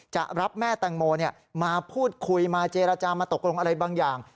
จะรับแม่แตงโมมาพูดคุยมาเจรจามาตกลงอะไรบางอย่าง